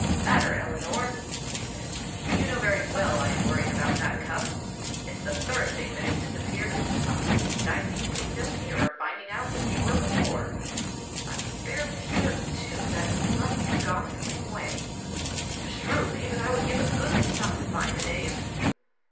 "Matter, Eleanor," he said, "you know very well I am worrying about that cup. It's the third thing that has disappeared this month and I seem to be no nearer finding out than we were before. I am fairly certain too that money has gone the same way. Beshrew me but I would give a goodly sum to find the knave."